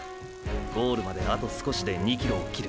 ゴールまであと少しで２ｋｍを切る。